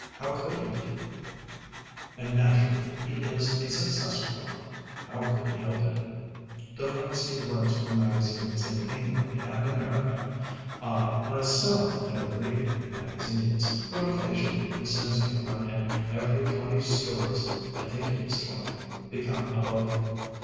How could he be? And, naturally, he is a successful one. How could he help it? Delancey writes for magazines in England and America. I, myself, never read magazines, but occasionally he sends me one and every twenty stories (I think it is twenty) become a book.